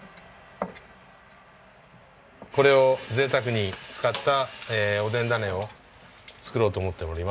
これをぜいたくに使ったおでんだねを作ろうと思っております。